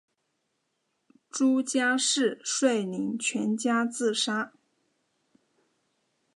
朱家仕率领全家自杀。